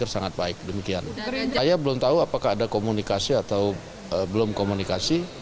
saya belum tahu apakah ada komunikasi atau belum komunikasi